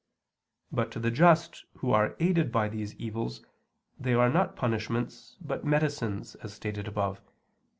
But to the just who are aided by these evils they are not punishments but medicines as stated above (Q.